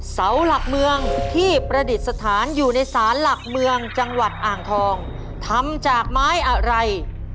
เสาหลักเมืองที่ประดิษฐานอยู่ในศาลหลักเมืองจังหวัดอ่างทองทำจากไม้อะไร